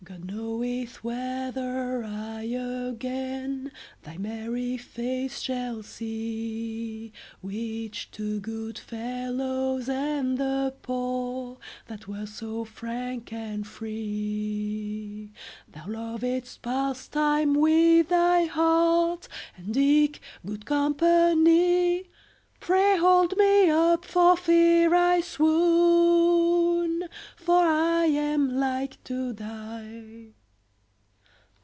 God knoweth whether I again Thy merry face shall see, Which to good fellows and the poor That was so frank and free. Thou lovedst pastime with thy heart, And eke good company; Pray hold me up for fear I swoon, For I am like to die.